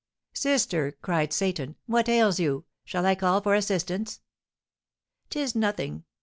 "Sister!" cried Seyton, "what ails you? Shall I call for assistance?" "'Tis nothing!